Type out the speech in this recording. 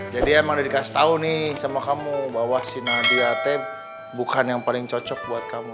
jadi memang sudah dikasih tahu nih sama kamu bahwa si nadia teh bukan yang paling cocok buat kamu